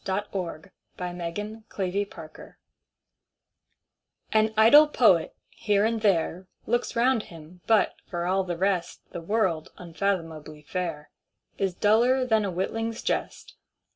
Coventry Patmore The Revelation AN idle poet, here and there, Looks round him, but, for all the rest, The world, unfathomably fair, Is duller than a witling's jest.